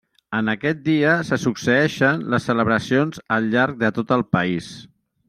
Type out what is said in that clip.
En aquest dia se succeeixen les celebracions al llarg de tot el país.